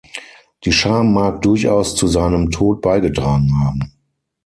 Die Scham mag durchaus zu seinem Tod beigetragen haben.